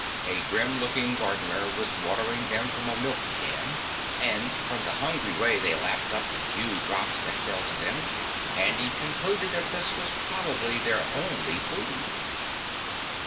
A grim looking gardener was watering them from a milk can, and from the hungry way they lapped up the few drops that fell to them, Handy concluded that this was probably their only food.